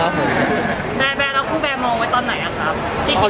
นายพูดแบรมองไว้ตอนไหนครับ